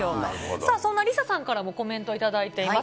さあそんなＬｉＳＡさんからもコメントを頂いています。